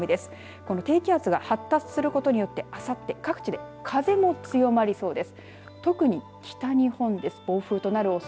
この低気圧が発達することによって、あさって各地で風も強まりそうです。